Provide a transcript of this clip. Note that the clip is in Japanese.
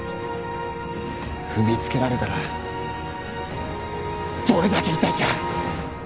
踏みつけられたらどれだけ痛いか！